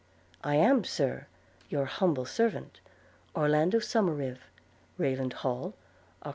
I am, Sir, Your humble servant, ORLANDO SOMERIVE.' Rayland Hall, Oct.